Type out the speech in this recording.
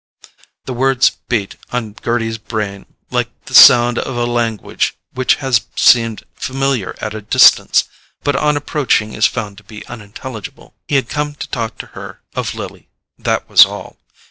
The words beat on Gerty's brain like the sound of a language which has seemed familiar at a distance, but on approaching is found to be unintelligible. He had come to talk to her of Lily—that was all!